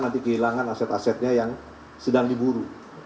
nanti kehilangan aset asetnya yang sedang diburu